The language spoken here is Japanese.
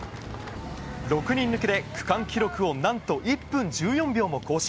６人抜きで区間記録をなんと１分１４秒も更新。